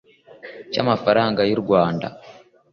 cy amafaranga y u Rwanda